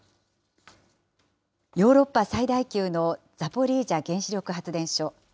ヨーロッパ最大級のザポリージャ原子力発電所。